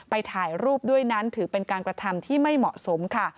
ถ่ายรูปด้วยนั้นถือเป็นการกระทำที่ไม่เหมาะสมค่ะ